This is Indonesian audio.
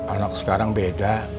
anak sekarang beda